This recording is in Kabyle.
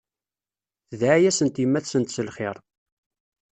Tedɛa-yasent yemma-tsent s lxir.